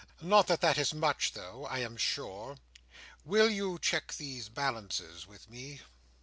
Not that that is much though, I am sure. Will you check these balances with me?"